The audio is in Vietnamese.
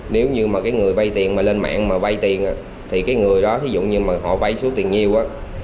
nếu như mà người vay tiền mà lên mạng mà vay tiền thì người đó ví dụ như họ vay số tiền nhiều